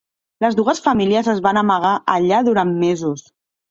Les dues famílies es van amagar allà durant mesos.